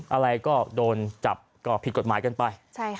อะไรก็โดนจับก็ผิดกฎหมายกันไป